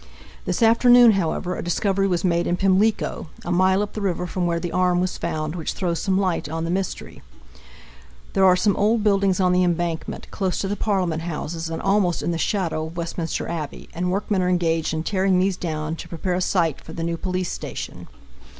This afternoon, however, a discovery was made in Pimlico, a mile up the river from where the arm was found, which throws some light on the mystery. There are some old buildings on the embankment, close to the Parliment Houses, and almost in the shadow of Westminster Abbey, and workmen are engaged in tearing these down to prepare a site for the new police station.